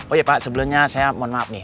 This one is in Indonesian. oh ya pak sebelumnya saya mohon maaf nih